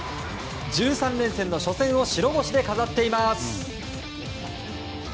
１３連戦の初戦を白星で飾っています。